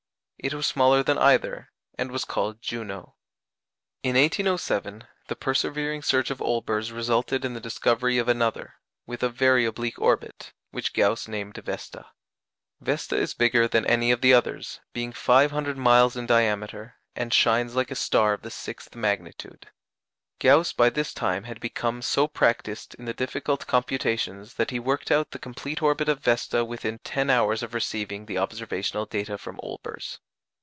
It was smaller than either, and was called Juno. In 1807 the persevering search of Olbers resulted in the discovery of another, with a very oblique orbit, which Gauss named Vesta. Vesta is bigger than any of the others, being five hundred miles in diameter, and shines like a star of the sixth magnitude. Gauss by this time had become so practised in the difficult computations that he worked out the complete orbit of Vesta within ten hours of receiving the observational data from Olbers.